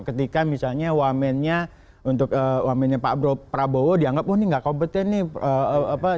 ketika misalnya wamennya untuk wamennya pak prabowo dianggap wah ini nggak kompeten nih